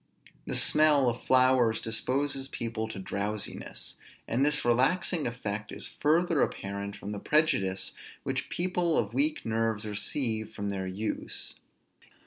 The smell of flowers disposes people to drowsiness; and this relaxing effect is further apparent from the prejudice which people of weak nerves receive from their use.